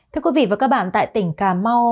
thưa quý vị và các bạn tại tỉnh cà mau